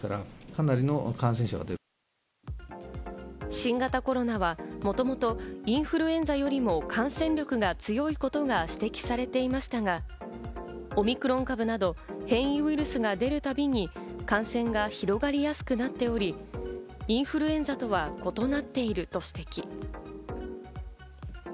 新型コロナはもともと、インフルエンザよりも感染力が強いことが指摘されていましたが、オミクロン株など変異ウイルスが出るたびに感染が広がりやすくなっており、インフルエンザとは異なっていると指摘。